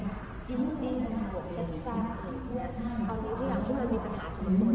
ก็ใกล้ได้รู้กันแล้วค่ะแต่ที่เรื่องอะไรอย่างเงี้ยก็คงไม่รู้